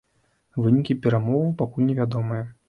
Вынікі перамоваў пакуль невядомыя.